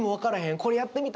これやってみた。